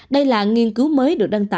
đây là nghiên cứu mới được đăng tải